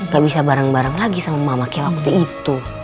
gak bisa bareng bareng lagi sama mama kewak itu